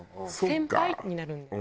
先輩になるので。